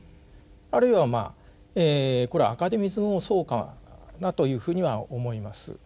あるいはまあこれはアカデミズムもそうかなというふうには思います。